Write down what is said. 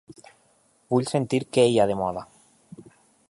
Vull sentir què hi ha de moda.